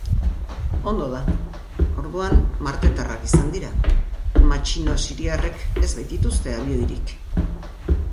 Ondo da, orduan martetarrak izan dira, matxino siriarrek ez baitituzte abioirik.